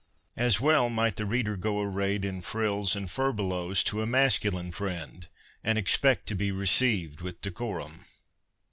As well might the reader go arrayed in frills and furbelows to a masculine friend and expect to be received with decorum.